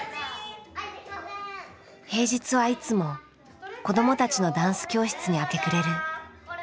平日はいつも子どもたちのダンス教室に明け暮れる。